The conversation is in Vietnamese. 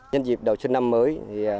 nhân dịp đầu xuân năm mới